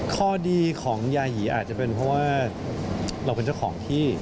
ข้อดีของยาหีอาจจะเป็นเพราะว่าเราเป็นเจ้าของที่